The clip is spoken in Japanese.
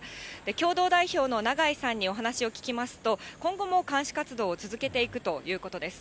共同代表のながいさんにお話を聞きますと、今後も監視活動を続けていくということです。